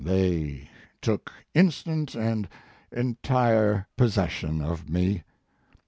They took instant and entire possession of me.